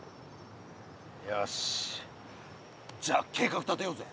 よしじゃあ計画立てようぜ。